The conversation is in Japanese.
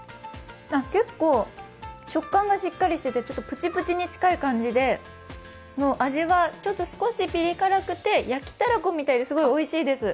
結構、食感がしっかりしててプチプチに近い感じで味は少しピリ辛で焼きたら子みたいですごくおいしいです。